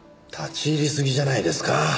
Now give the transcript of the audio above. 立ち入りすぎじゃないですか？